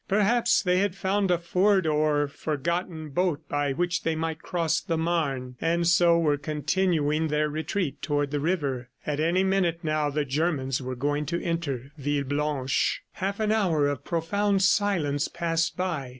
Perhaps they had found a ford or forgotten boat by which they might cross the Maine, and so were continuing their retreat toward the river. At any minute now the Germans were going to enter Villeblanche. Half an hour of profound silence passed by.